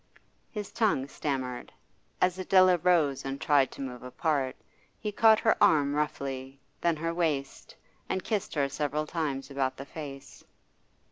His tongue stammered. As Adela rose and tried to move apart, he caught her arm roughly, then her waist, and kissed her several times about the face.